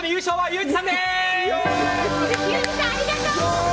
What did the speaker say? ユージさんありがとう！